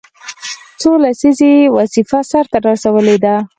څو لسیزې یې وظیفه سرته رسولې ده.